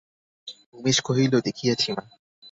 উমেশ কহিল, দেখিয়াছি মা।